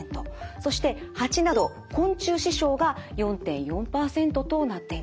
そして蜂など昆虫刺傷が４．４％となっています。